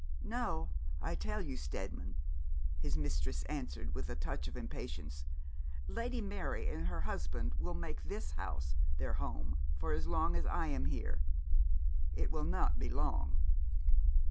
'No, I tell you, Steadman,' his mistress answered, with a touch of impatience; 'Lady Mary and her husband will make this house their home so long as I am here. It will not be long.'